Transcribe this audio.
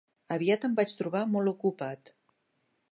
Aviat em vaig trobar molt ocupat.